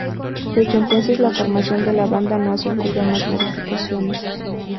Desde entonces la formación de la banda no ha sufrido más modificaciones.